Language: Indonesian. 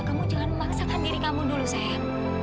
kamu jangan memaksakan diri kamu dulu sayang